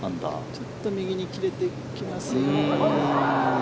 ちょっと右に切れてきます。